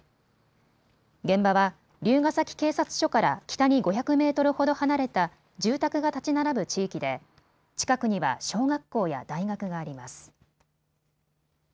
現場は竜ケ崎警察署から北に５００メートルほど離れた住宅が建ち並ぶ地域で近くには小学校や大学があります。